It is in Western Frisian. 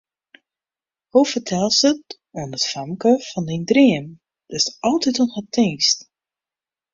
Hoe fertelst it oan it famke fan dyn dreamen, datst altyd oan har tinkst?